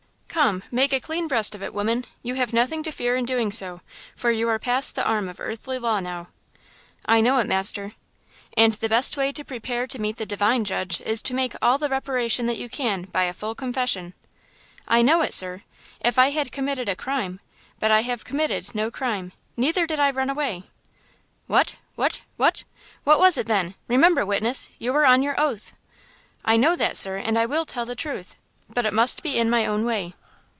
Come–make a clean breast of it, woman! You have nothing to fear in doing so, for you are past the arm of earthly law now!" "I know it, master." "And the best way to prepare to meet the Divine Judge is to make all the reparation that you can by a full confession!" "I know it, sir–if I had committed a crime; but I have committed no crime; neither did I run away." "What? what? what? What was it, then? Remember, witness, you are on your oath." "I know that, sir, and I will tell the truth; but it must be in my own way."